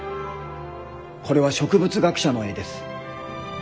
これは植物学者の絵です。